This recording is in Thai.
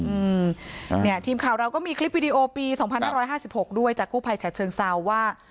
อือเนี่ยทีมข่าวเราก็มีคลิปวิดีโอปี๒๕๕๖ด้วยจากผู้ภัยฉันเชิงเซาว่า